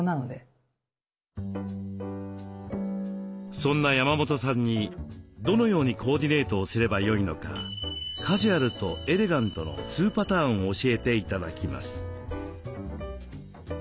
そんな山本さんにどのようにコーディネートをすればよいのかカジュアルとエレガントの２パターン教えて頂きます。